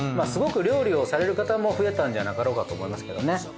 すごく料理をされる方も増えたんじゃなかろうかと思いますけどね。